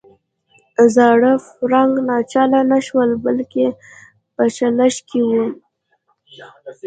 زاړه فرانک ناچله نه شول بلکې په چلښت کې وو.